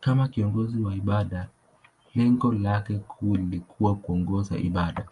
Kama kiongozi wa ibada, lengo lake kuu lilikuwa kuongoza ibada.